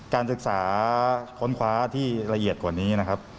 การศึกษาค้นคว้าที่ละเอียดกว่านี้นะครับ